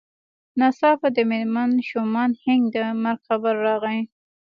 ناڅاپه د مېرمن شومان هينک د مرګ خبر راغی.